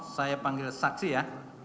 saya panggil saksi ya